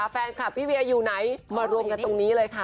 แฟนคลับพี่เวียอยู่ไหนมารวมกันตรงนี้เลยค่ะ